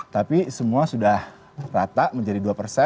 tapi semua sudah rata menjadi dua persen